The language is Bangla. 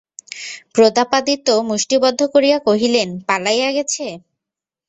প্রতাপাদিত্য মুষ্টিবদ্ধ করিয়া কহিলেন, পালাইয়া গেছে?